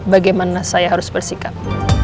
bagaimana saya harus bersikap